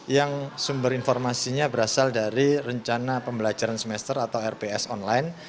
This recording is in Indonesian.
yang sumber informasinya berasal dari rencana pembelajaran semester atau rps online